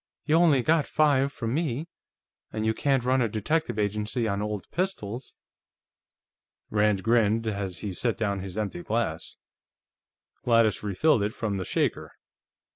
"You only got five from me, and you can't run a detective agency on old pistols." Rand grinned as he set down his empty glass. Gladys refilled it from the shaker.